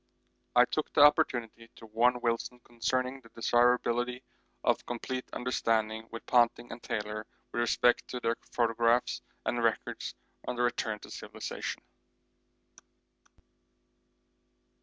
I took the opportunity to warn Wilson concerning the desirability of complete understanding with Ponting and Taylor with respect to their photographs and records on their return to civilisation.